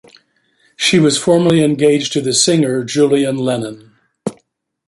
She was formerly engaged to the singer Julian Lennon.